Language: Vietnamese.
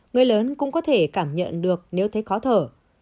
người lớn cũng có thể cảm nhận được nếu thấy khó thở